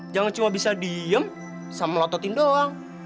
jangan cuma bisa diem sama lototin doang